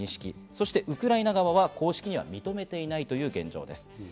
そして、ウクライナ側は公式には認めていないという現状です。